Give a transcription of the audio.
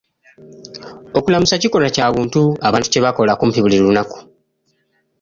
Okulamusa kikolwa kya buntu abantu kye bakola kumpi buli lunaku.